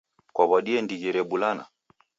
Kwaw'adie ndighi rebulana?